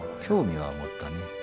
興味は持ったね。